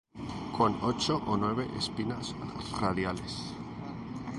Con ocho o nueve espinas radiales.